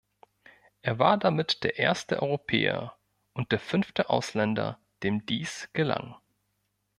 Er war damit der erste Europäer und der fünfte Ausländer, dem dies gelang.